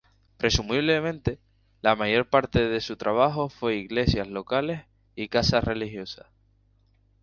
Presumiblemente, la mayor parte de su trabajo fue para iglesias locales y casas religiosas.